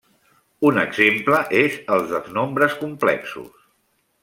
Un exemple és el dels nombres complexos.